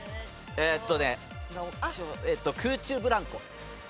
えっと『空中ブランコ』。